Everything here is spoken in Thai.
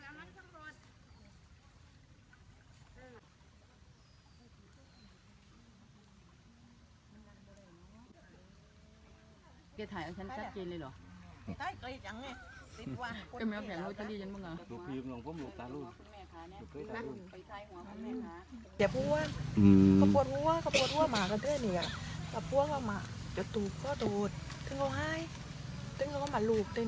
อาทิตย์กดยังมีสุขแครงหมด